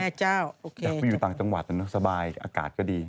อยากไปอยู่ต่างจังหวัดสบายอากาศก็ดี